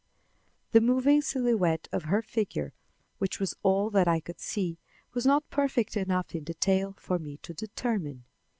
The moving silhouette of her figure, which was all that I could see, was not perfect enough in detail for me to determine.